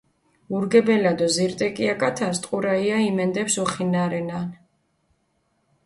ურგებელა დო ზირტიკია კათას ტყურაია იმენდეფს უხინარენან.